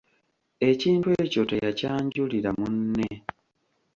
Ekintu ekyo teyakyanjulira munne.